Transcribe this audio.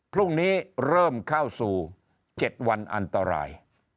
พรุ่งนี้เริ่มเข้าสู่๗วันอันตราย